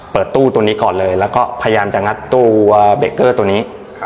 เปิดตู้ตัวนี้ก่อนเลยแล้วก็พยายามจะงัดตู้เบเกอร์ตัวนี้